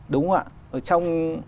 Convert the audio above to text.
đúng không ạ ở trong